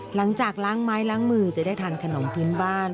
หลังจากล้างไม้ล้างมือจะได้ทานขนมพื้นบ้าน